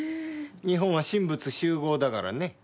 日本は神仏習合だからね。